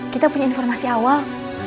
kita punya informasi awal